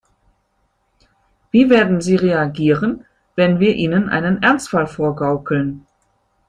Wie werden sie reagieren, wenn wir ihnen einen Ernstfall vorgaukeln?